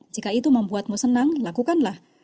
jika itu membuatmu senang lakukanlah